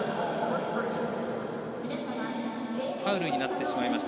ファウルになってしまいました。